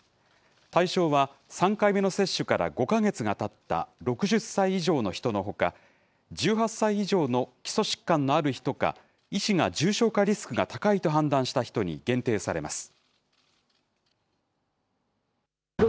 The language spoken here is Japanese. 対象は、３回目の接種から５か月がたった６０歳以上の人のほか、１８歳以上の基礎疾患のある人か、医師が重症化リスクが高いと判断した人に限定されます。